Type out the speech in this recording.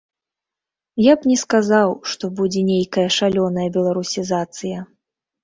Я б не сказаў, што будзе нейкая шалёная беларусізацыя.